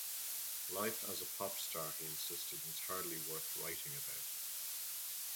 Life as a pop star, he insisted, was hardly worth writing about.